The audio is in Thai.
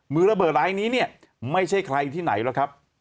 มือระเบิดรายนี้เนี่ยไม่ใช่ใครที่ไหนแล้วครับ